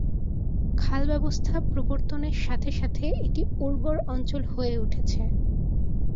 খাল ব্যবস্থা প্রবর্তনের সাথে সাথে এটি উর্বর অঞ্চল হয়ে উঠেছে।